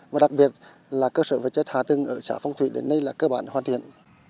và đặc biệt là cơ sở vật chất hạ tầng ở xã phong thủy đến nay là cơ bản hoàn thiện